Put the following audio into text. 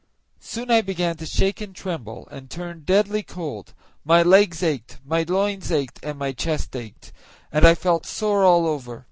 Soon I began to shake and tremble, and turned deadly cold; my legs ached, my loins ached, and my chest ached, and I felt sore all over.